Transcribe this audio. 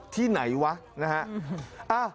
ที่ไหนวะนะฮะ